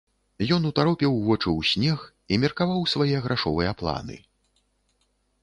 Ён утаропіў вочы ў снег і меркаваў свае грашовыя планы.